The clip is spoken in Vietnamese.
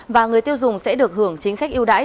và người tiêu dùng sẽ được hưởng chính sách yêu đáy